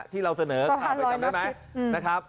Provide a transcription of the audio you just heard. ที่เราเสนอข่าวไปจำได้ไหมนะครับ